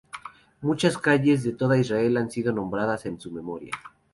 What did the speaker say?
Muchas calles de toda Israel han sido nombradas en su memoria.